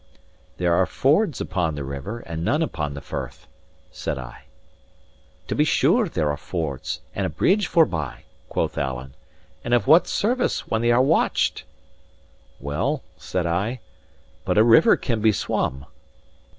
"There are fords upon the river, and none upon the firth," said I. "To be sure there are fords, and a bridge forbye," quoth Alan; "and of what service, when they are watched?" "Well," said I, "but a river can be swum."